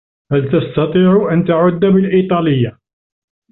هل تستطيع أن تعُدّ بالإيطالية ؟